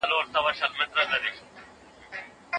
تاسو باید د ښه خلکو مجلس ته لاړ سئ.